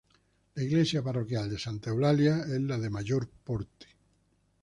La iglesia parroquial de Santa Eulalia es la de mayor porte.